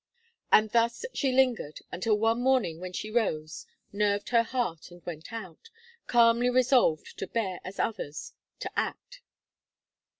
And thus she lingered until one morning, when she rose, nerved her heart, and went out; calmly resolved to bear as others, to act.